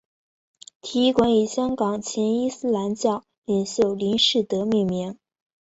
体育馆以香港前伊斯兰教领袖林士德命名。